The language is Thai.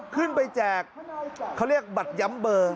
แจกเขาเรียกบัตรย้ำเบอร์